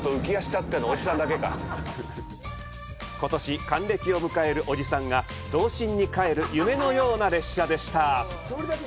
ことし還暦のおじさんが童心に返る夢のような列車でした。